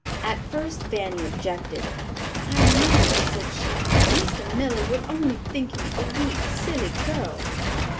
At first Fanny objected. "I know," said she, "that Mr. Miller would only think me a weak, silly girl."